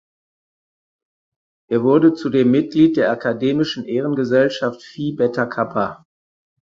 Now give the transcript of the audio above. Er wurde zudem Mitglied der akademischen Ehrengesellschaft Phi Beta Kappa.